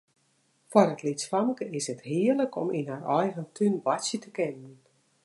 Foar it lytsfamke is it hearlik om yn har eigen tún boartsje te kinnen.